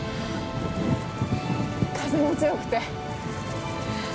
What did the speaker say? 風も強くて。